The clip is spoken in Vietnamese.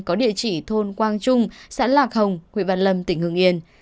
có địa chỉ thôn quang trung xã lạc hồng huyện văn lâm tỉnh hương yên